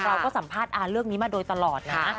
เราก็สัมภาษณ์เรื่องนี้มาโดยตลอดนะ